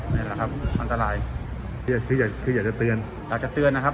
นี่แหละครับอันตรายคืออยากคืออยากจะเตือนอยากจะเตือนนะครับ